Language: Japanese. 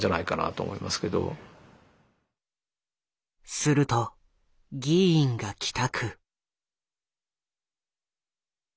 すると議員が帰宅。